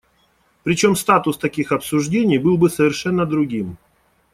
Причем статус таких обсуждений был бы совершенно другим.